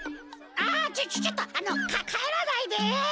あちょちょっとあのかかえらないで！